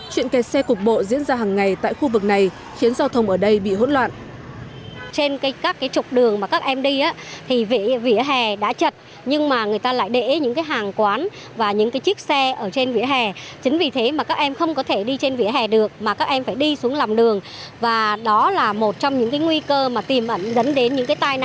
chuyện kẹt xe cục bộ diễn ra hàng ngày tại khu vực này khiến giao thông ở đây bị hỗn loạn